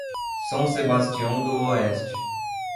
São Sebastião do Oeste